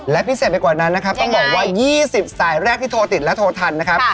และพิเศษไปกว่านั้นนะครับต้องบอกว่า๒๐สายแรกที่โทรติดและโทรทันนะครับ